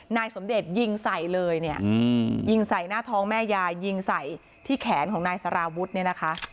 นายสมเด็จยิงใส่เลยเนี่ยยิงใส่หน้าท้องแม่ยายยิงใส่ที่แขนของนายสารวุฒิเนี่ยนะคะ